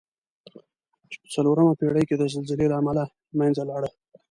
چې په څلورمه پېړۍ کې د زلزلې له امله له منځه لاړه.